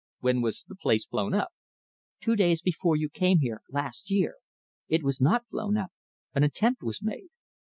"When was the place blown up?" "Two days before you came here last year it was not blown up; an attempt was made."